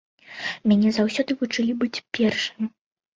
Мяне заўсёды вучылі быць першым.